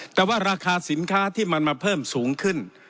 แต่ว่าราคาสินค้าที่มันมาเพิ่มสูงขึ้น